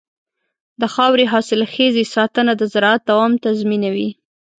د خاورې حاصلخېزۍ ساتنه د زراعت دوام تضمینوي.